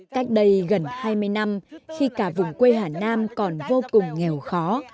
cách đây gần hai mươi năm khi cả vùng quê hà nam còn vô cùng nghèo khó